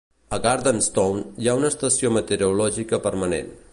A Gardenstown hi ha una estació meteorològica permanent.